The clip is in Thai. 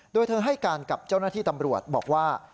โดยเธอให้การกับเจ้าหน้าที่ตำรวจบอกว่า